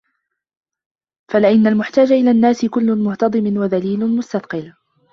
فَلِأَنَّ الْمُحْتَاجَ إلَى النَّاسِ كُلُّ مُهْتَضَمٍ وَذَلِيلٍ مُسْتَثْقَلٍ